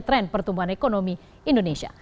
tren pertumbuhan ekonomi indonesia